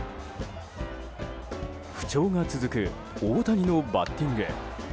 不調が続く大谷のバッティング。